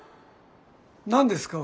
何ですか？